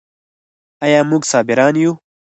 آیا موږ صابران یو؟